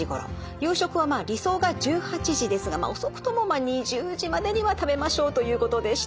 夕食はまあ理想が１８時ですが遅くとも２０時までには食べましょうということでした。